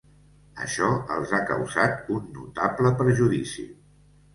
Això els ha causat un notable perjudici.